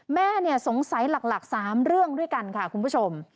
แม่สงสัยหลัก๓เรื่องด้วยกันค่ะคุณผู้ชม